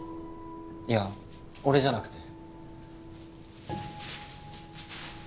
いや俺じゃなくて